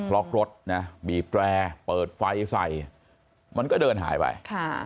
ล็อกรถนะบีบแปรเปิดไฟใส่มันก็เดินหายไป